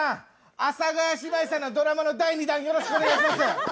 阿佐ヶ谷姉妹さんのドラマの第２弾よろしくお願いします。